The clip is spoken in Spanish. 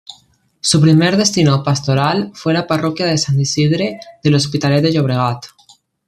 Su primer destino pastoral fue la parroquia de Sant Isidre de l'Hospitalet de Llobregat.